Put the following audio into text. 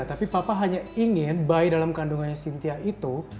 tapi papa hanya ingin bayi dalam kandungannya sintia itu